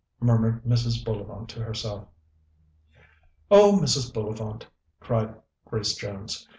murmured Mrs. Bullivant to herself. "Oh, Mrs. Bullivant!" cried Grace Jones.